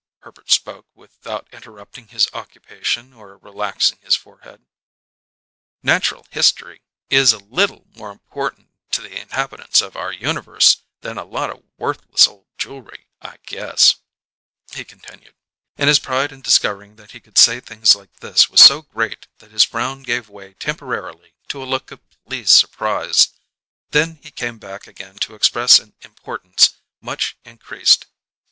Herbert spoke without interrupting his occupation or relaxing his forehead. "Nacher'l history is a little more important to the inhabitants of our universe than a lot o' worthless jew'lry, I guess," he continued; and his pride in discovering that he could say things like this was so great that his frown gave way temporarily to a look of pleased surprise, then came back again to express an importance much increased.